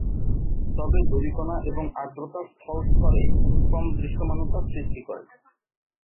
তবে ধূলিকণা এবং আর্দ্রতা স্থল স্তরে কম দৃশ্যমানতা সৃষ্টি করে।